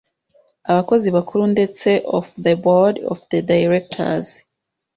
abakozi bakuru ndetse of the board of directors